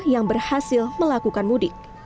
yang berhasil melakukan mudik